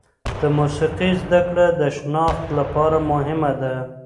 د موسیقي زده کړه د شناخت لپاره مهمه ده.